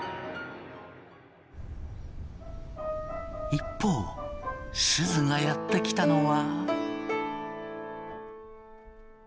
一方すずがやって来たのは。